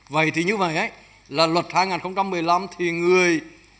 vậy thì như vậy là luật hai nghìn một mươi năm thì người